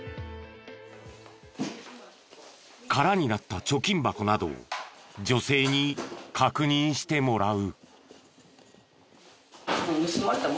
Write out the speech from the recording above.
空になった貯金箱などを女性に確認してもらう。